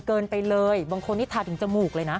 เกินไปเลยบางคนนี่ทาถึงจมูกเลยนะ